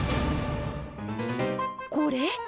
これ？